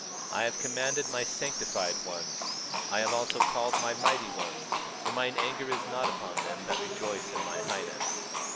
23:3 I have commanded my sanctified ones, I have also called my mighty ones, for mine anger is not upon them that rejoice in my highness.